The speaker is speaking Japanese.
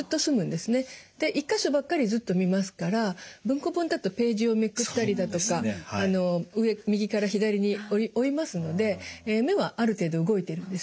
で１か所ばっかりずっと見ますから文庫本だとページをめくったりだとか右から左に追いますので目はある程度動いてるんです。